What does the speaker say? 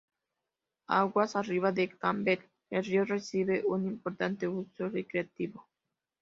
Aguas arriba de Camden, el río recibe un importante uso recreativo.